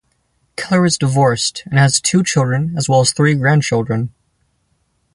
Keller is divorced and has two children as well as three grandchildren.